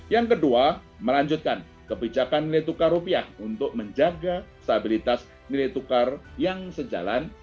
yang kedua melanjutkan kebijakan nilai tukar rupiah untuk menjaga stabilitas nilai tukar yang sejalan